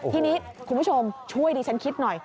ทีนี้คุณผู้ชมช่วยดิฉันคิดหน่อย